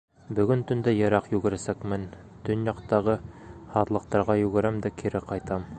Бөгөн төндә йыраҡ йүгерәсәкмен, төньяҡтағы һаҙлыҡтарға йүгерәм дә кире ҡайтам.